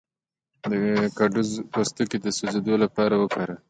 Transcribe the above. د کدو پوستکی د سوځیدو لپاره وکاروئ